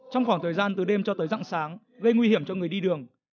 trong khoảng thời gian từ đêm cho tới rạng sáng gây nguy hiểm cho người đi đường